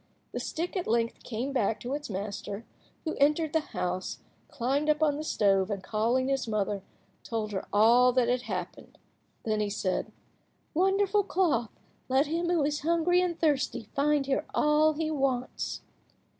The stick at length came back to its master, who entered the house, climbed up on the stove, and, calling his mother, told her all that had happened. Then he said— "Wonderful cloth, let him who is hungry and thirsty find here all he wants."